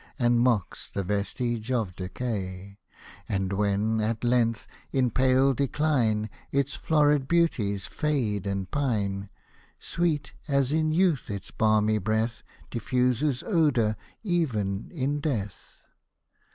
And mocks the vestige of decay : And when at length, in pale decline. Its florid beauties fade and pine, Sweet as in youth, its balmy breath Diffuses odour even in death